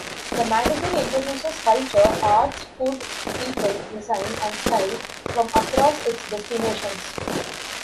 The magazine introduces culture, arts, food, people, design and style from across its destinations.